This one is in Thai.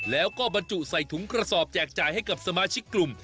แล้วก็บรรจุใส่ถุงกระสอบแจกจ่ายให้กับสมาชิกกลุ่ม